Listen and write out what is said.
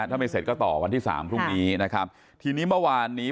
ถ้าไม่เสร็จก็ต่อวันที่สามพรุ่งนี้นะครับทีนี้เมื่อวานนี้